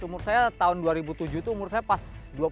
umur saya tahun dua ribu tujuh itu umur saya pas dua puluh dua